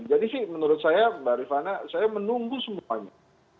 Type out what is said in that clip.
jadi sih menurut saya mbak rifana saya menunggu semuanya